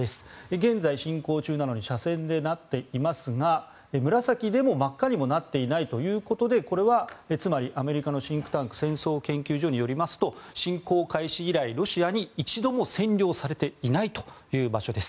現在、侵攻中なのに斜線になっていますが紫にも真っ赤にもなっていないということでこれはつまりアメリカのシンクタンク戦争研究所によりますと侵攻開始以来、ロシアに一度も占領されていないという場所です。